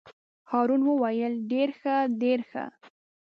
هارون وویل: ډېر ښه ډېر ښه.